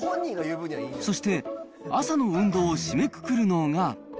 そして朝の運動を締めくくるのが。